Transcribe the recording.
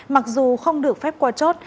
mặc dù không được phép qua chốt